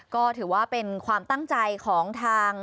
ก็ถือว่าเป็นความตั้งใจของทาง